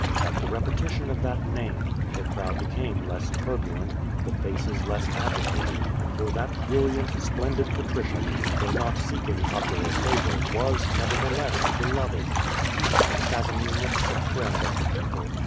At the repetition of that name, the crowd became less turbulent, the faces less agitated, for that brilliant, splendid patrician, though not seeking popular favor, was, nevertheless, beloved. He passed as a munificent friend of the people.